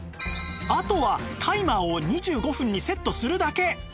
あとはタイマーを２５分にセットするだけ